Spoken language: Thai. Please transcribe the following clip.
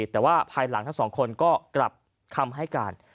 แต่ว่าภายหลังทั้งสองคนก็กลับคำให้การ